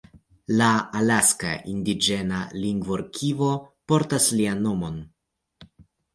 La Alaska Indiĝena Lingvorkivo portas lian nomon.